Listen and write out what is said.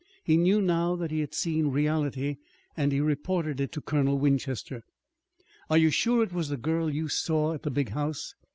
He knew now that he had seen reality, and he reported it to Colonel Winchester. "Are you sure it was the girl you saw at the big house?"